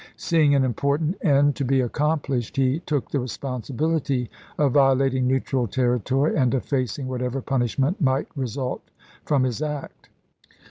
Seeing an important end to be accomplished he took the responsibility of violating nentral territory and of facing whatever punish ment might resnlt from his act.